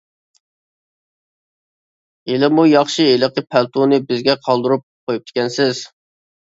ھېلىمۇ ياخشى ھېلىقى پەلتونى بىزگە قالدۇرۇپ قويۇپتىكەنسىز!